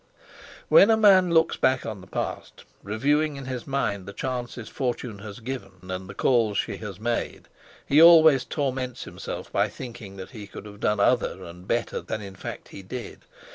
When a man looks back on the past, reviewing in his mind the chances Fortune has given and the calls she has made, he always torments himself by thinking that he could have done other and better than in fact he did.